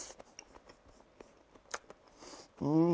うん！